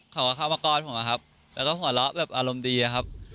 เขาก็เข้ามาก้อนผมอะครับแล้วก็หัวเราะแบบอารมณ์ดีอะครับ